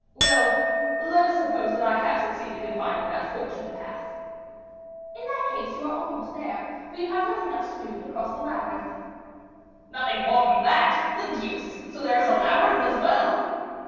"Well, let us suppose that I have succeeded in finding that fortunate path." "In that case, you are almost there, for you have nothing else to do but cross the labyrinth." "Nothing more than that? The deuce! so there is a labyrinth as well."